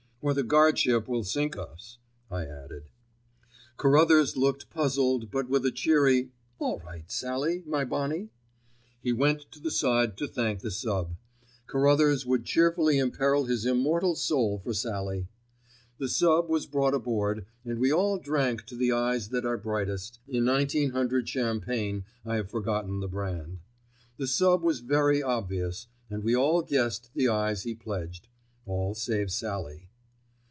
"Or the guardship will sink us," I added. Carruthers looked puzzled, but with a cheery, "all right, Sallie, my bonnie," he went to the side to thank the sub. Carruthers would cheerfully imperil his immortal soul for Sallie. The sub. was brought aboard, and we all drank to the eyes that are brightest, in 1900 Champagne, I have forgotten the brand. The sub. was very obvious, and we all guessed the eyes he pledged—all save Sallie.